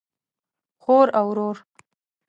خور او ورور